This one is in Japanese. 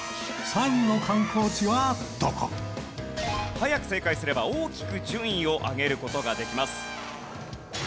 早く正解すれば大きく順位を上げる事ができます。